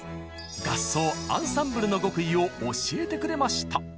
合奏アンサンブルの極意を教えてくれました！